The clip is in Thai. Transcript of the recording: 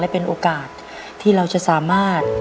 เป็นโอกาสที่เราจะสามารถ